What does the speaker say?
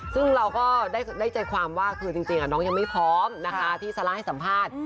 ซึ่งเราก็ได้ใจความว่าคือจริงน้องยังไม่พร้อมนะคะที่ซาร่าให้สัมภาษณ์